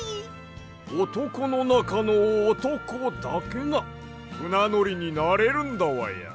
おとこのなかのおとこだけがふなのりになれるんだわや。